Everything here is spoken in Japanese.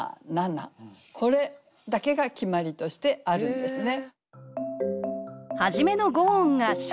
これだけが決まりとしてあるんですね。